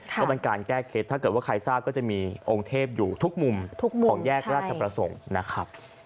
ก็เป็นการแก้เคล็ดถ้าเกิดว่าใครทราบก็จะมีองค์เทพอยู่ทุกมุมของแยกราชประสงค์นะครับ